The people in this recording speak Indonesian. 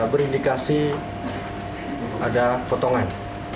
berindikasi ada potongan